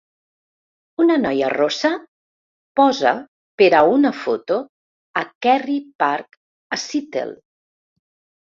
Una noia rossa posa per a una foto a Kerry Park a Seattle.